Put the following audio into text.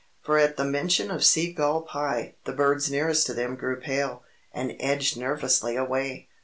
For at the mention of "sea gull pie" the birds nearest to them grew pale, and edged nervously away.